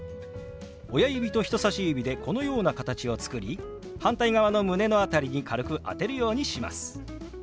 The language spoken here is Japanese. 親指と人さし指でこのような形を作り反対側の胸の辺りに軽く当てるようにします。